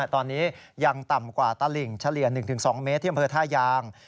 ตอนนี้ยังต่ำกว่าตลิ่งเฉลี่ย๑๒เมตรที่อำเภอท่ายาง